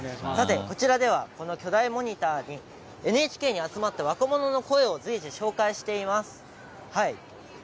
こちらではこの巨大モニターにＮＨＫに集まった若者の声を随時、紹介しています。